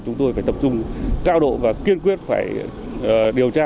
chúng tôi phải tập trung cao độ và kiên quyết phải điều tra